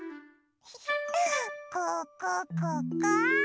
ここここ！